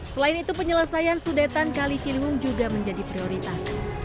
selain itu penyelesaian sudetan kali ciliwung juga menjadi prioritas